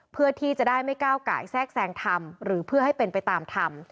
เพื่อที่จะได้ไม่ก้าวไก่แทรกแทรงธรรมหรือเพื่อให้เป็นไปตามธรรม